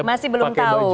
masih belum tahu